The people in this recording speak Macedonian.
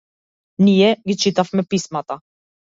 Ние ги читавме писмата.